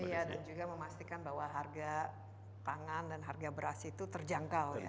iya dan juga memastikan bahwa harga pangan dan harga beras itu terjangkau ya